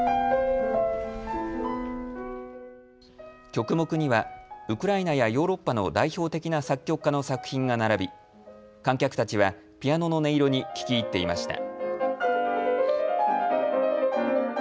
曲目にはウクライナやヨーロッパの代表的な作曲家の作品が並び観客たちはピアノの音色に聞き入っていました。